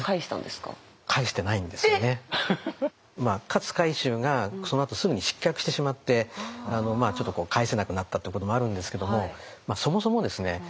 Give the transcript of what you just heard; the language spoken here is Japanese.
勝海舟がそのあとすぐに失脚してしまってちょっと返せなくなったということもあるんですけどもそもそもですね